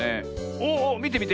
おっおっみてみて。